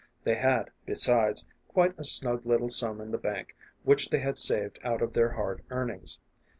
They had, besides, quite a snug little sum in the bank, which they had saved out of their hard earnings.